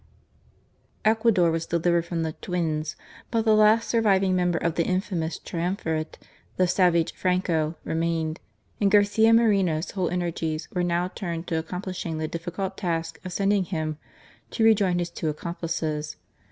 Ecuador was delivered from the " twins," but the last surviving member of the infamous triumvirate, the savage Franco, remained, and Garcia Moreno's whole energies were now turned to accomplishing the difficult task of sending him to rejoin his two accomplices.